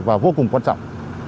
và vô cùng quan trọng